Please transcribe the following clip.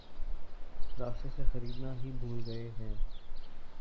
راستے سے خریدنا ہی بھول گئے ہیں